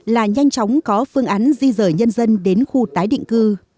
là nhanh chóng có phương án di rời nhân dân đến khu tái định cư